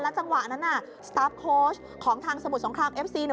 จังหวะนั้นน่ะสตาร์ฟโค้ชของทางสมุทรสงครามเอฟซีเนี่ย